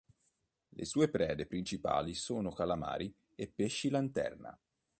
Le sue prede principali sono calamari e pesci lanterna.